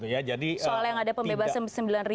soal yang ada pembebasan